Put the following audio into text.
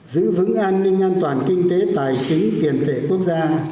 giữ vững an ninh an toàn kinh tế tài chính tiền tệ quốc gia